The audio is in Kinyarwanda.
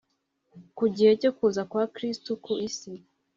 Ku gihe cyo kuza kwa Kristo ku isi